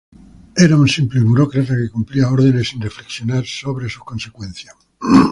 Era un simple burócrata que cumplía órdenes sin reflexionar sobre sus consecuencias.